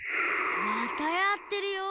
またやってるよ。